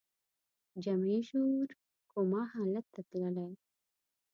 جمعي شعور کوما حالت ته تللی